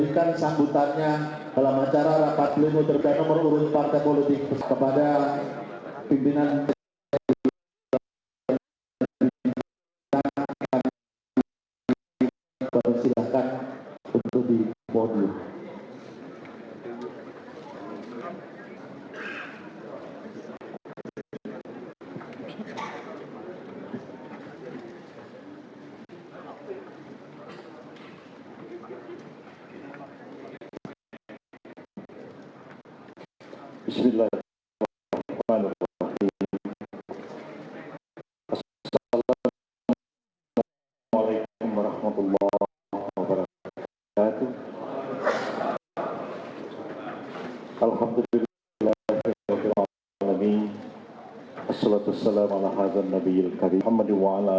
kpu telah dilaksanakan